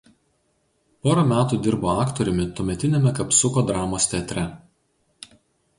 Porą metų dirbo aktoriumi tuometiniame Kapsuko dramos teatre.